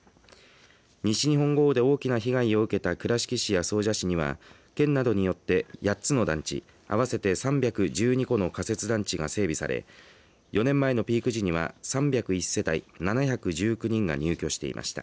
西日本豪雨で大きな被害を受けた倉敷市や総社市には県などによって８つの団地合わせて３１２戸の仮設団地が整備され４年前のピーク時には３０１世帯７１９人が入居していました。